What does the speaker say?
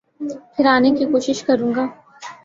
پھر آنے کی کوشش کروں گا۔